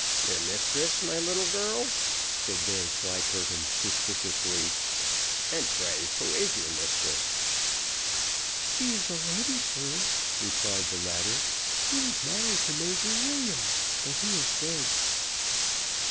"Your mistress, my little girl?" said Vanslyperken, suspiciously; "and pray who is your mistress?" "She is a lady, sir," replied the latter; "she was married to Major Williams, but he is dead."